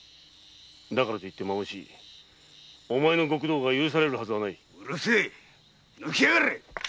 だからといってお前の極道が許されるはずはないうるせぇ抜きやがれ。